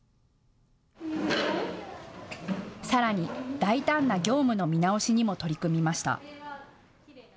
さらに大胆な業務の見直しにも取り組みました。